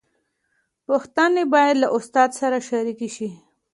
پوښتنې باید له استاد سره شریکې شي.